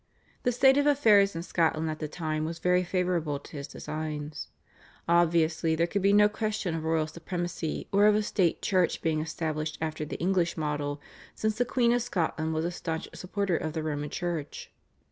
The state of affairs in Scotland at the time was very favourable to his designs. Obviously there could be no question of royal supremacy or of a State Church being established after the English model, since the Queen of Scotland was a staunch supporter of the Roman Church.